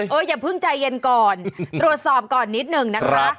อย่าเพิ่งใจเย็นก่อนตรวจสอบก่อนนิดหนึ่งนะคะ